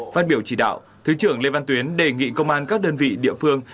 phát biểu chỉ đạo thứ trưởng lê văn tuyến đề nghị công an các đơn vị địa phương